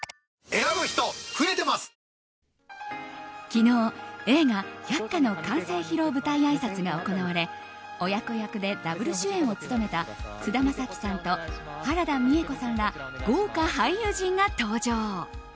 昨日、映画「百花」の完成披露舞台あいさつが行われ親子役でダブル主演を務めた菅田将暉さんと原田美枝子さんら豪華俳優陣が登場。